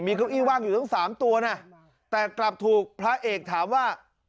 เก้าอี้ว่างอยู่ตั้ง๓ตัวนะแต่กลับถูกพระเอกถามว่า